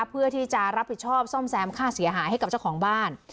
เพื่อที่จะรับผิดชอบซ่อมแซมค่าเสียหายให้กับเจ้าของบ้าน